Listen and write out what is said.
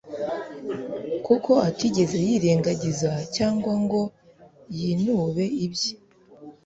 kuko atigeze yirengagiza cyangwa ngo yinube ibye